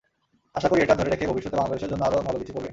আশা করি এটা ধরে রেখে ভবিষ্যতে বাংলাদেশের জন্য আরও ভালো কিছু করবে।